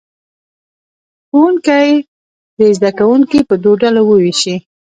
ښوونکي دې زه کوونکي په دوو ډلو ووېشي.